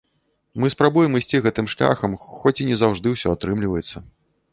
Мы спрабуем ісці гэтым шляхам, хоць і не заўжды ўсё атрымліваецца.